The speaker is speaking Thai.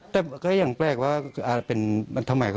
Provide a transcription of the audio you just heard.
แต่ก็ยังแปลกว่าทำไมเขาต้องตัดสินใจทำแบบนี้